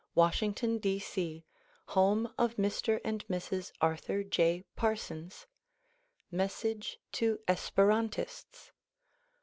Washingtoyi, D. C. Home of Mr. and Mrs. Arthur J. Parsons. Message to Esperantists.